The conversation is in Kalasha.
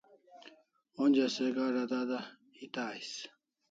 Onja se gada dada eta ais